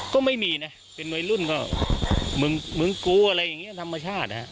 ก็ไม่มีนะเป็นวัยรุ่นก็มึงมึงกูอะไรอย่างนี้ธรรมชาติ